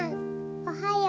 おはよう。